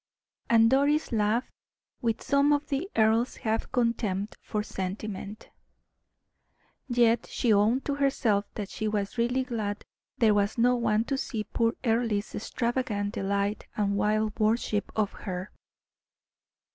And Doris laughed with some of the earl's half contempt for sentiment. Yet she owned to herself that she was really glad there was no one to see poor Earle's extravagant delight and wild worship of her.